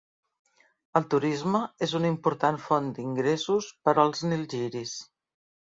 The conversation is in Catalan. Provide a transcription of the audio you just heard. El turisme és un important font d'ingressos per als Nilgiris.